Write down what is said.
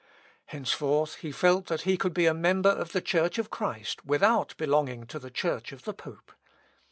Henceforth he felt that he could be a member of the Church of Christ without belonging to the Church of the pope.